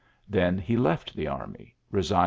Then he left the army, resign!